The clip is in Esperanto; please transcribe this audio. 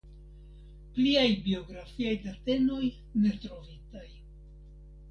Pliaj biografiaj datenoj ne trovitaj.